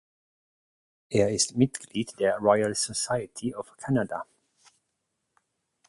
Er ist Mitglied der Royal Society of Canada.